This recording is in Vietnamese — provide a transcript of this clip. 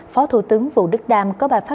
phó thủ tướng vũ đức đam có bài phát